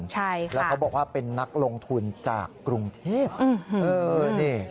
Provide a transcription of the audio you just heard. ใช่ค่ะแล้วเขาบอกว่าเป็นนักลงทุนจากกรุงเทพ